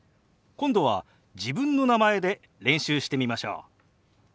今度は自分の名前で練習してみましょう。